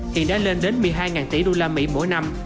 thì đã lên đến một mươi hai tỷ usd mỗi năm